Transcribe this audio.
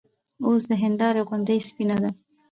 اوس د هېندارې غوندې سپينه ده